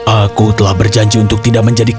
aku telah berjanji untuk tidak menjadikan